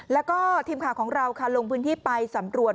แล้วก็ทีมข่าวของเราค่ะลงพื้นที่ไปสำรวจ